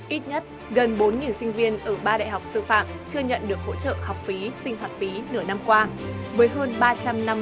ít nhất gần bốn sinh viên ở ba đại học sư phạm chưa nhận được hỗ trợ học phí sinh hoạt phí nửa năm qua